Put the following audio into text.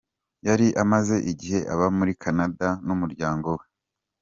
Yari amaze igihe aba muri Canada n’umuryango we.